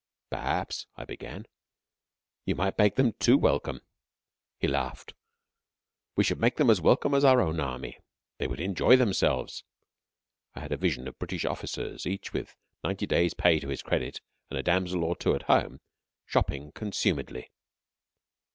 "Perhaps," I began, "you might make them too welcome." He laughed. "We should make them as welcome as our own army. They would enjoy themselves." I had a vision of British officers, each with ninety days' pay to his credit, and a damsel or two at home, shopping consumedly.